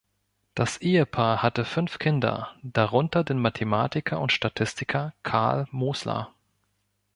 Das Ehepaar hatte fünf Kinder, darunter den Mathematiker und Statistiker Karl Mosler.